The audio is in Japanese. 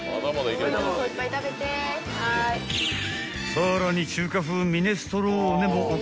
［さらに］